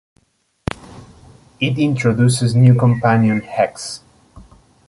It introduces new companion Hex.